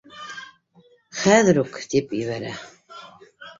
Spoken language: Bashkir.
Хәҙер үк, тип ебәрә